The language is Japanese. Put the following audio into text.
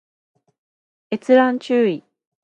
閲覧注意